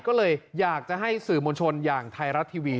ก็เลยอยากจะให้สื่อมวลชนอย่างไทยรัฐทีวี